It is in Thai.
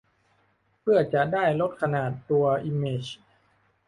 เพื่อจะได้ลดขนาดตัวอิมเมจ